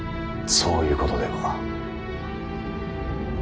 そういうことでは。